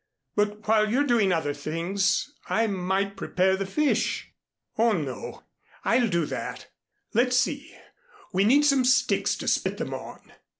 "But while you're doing other things, I might prepare the fish." "Oh, no. I'll do that. Let's see. We need some sticks to spit them on."